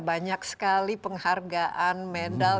banyak sekali penghargaan medal